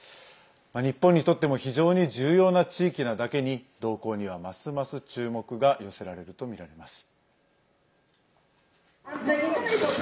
日本にとっても非常に重要な地域なだけに動向には、ますます注目が寄せられるとみられます。